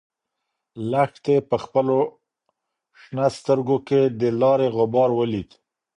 لښتې په خپلو شنه سترګو کې د لارې غبار ولید.